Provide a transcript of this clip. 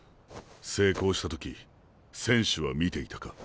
成功した時選手は見ていたか？